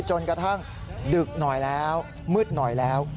กระทั่งดึกหน่อยแล้วมืดหน่อยแล้ว